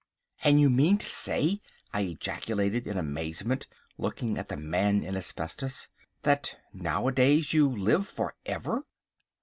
"And you mean to say," I ejaculated in amazement, looking at the Man in Asbestos, "that nowadays you live for ever?"